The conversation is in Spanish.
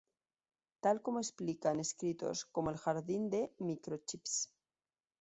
Tal como explica en escritos como El Jardín de Microchips.